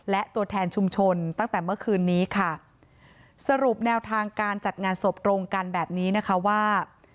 และตัวแทนชุมชนตั้งแต่เมื่อคืนนี้ค่ะสรุปแนวทางการจัดงานศพตรงกันแบบนี้นะคะว่า